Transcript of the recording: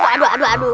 aduh aduh aduh